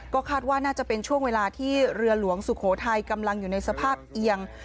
ก็คาดว่าน่าจะเป็นช่วงเวลาที่เรือหลวงสุโขทัยกำลังอยู่ในสภาพเอียง